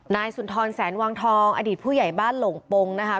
นายสุนทรแสนวังทองอดีตผู้ใหญ่บ้านหลงปงนะคะ